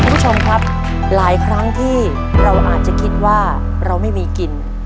คุณผู้ชมครับหลายครั้งที่เราอาจจะคิดว่าเราไม่มีกิน